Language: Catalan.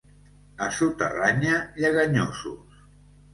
A Suterranya, lleganyosos.